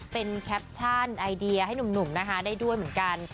เป็นแคปชั่นไอเดียให้หนุ่มนะคะได้ด้วยเหมือนกัน